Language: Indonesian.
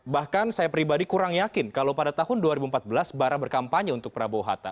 bahkan saya pribadi kurang yakin kalau pada tahun dua ribu empat belas bara berkampanye untuk prabowo hatta